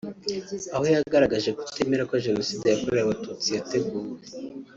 aho yagaragaje kutemera ko Jenoside yakorewe Abatutsi yateguwe